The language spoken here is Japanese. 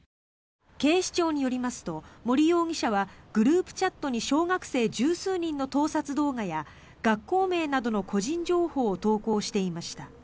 警視庁によりますと森容疑者はグループチャットに小学生１０数人の盗撮動画や学校名などの個人情報を投稿していました。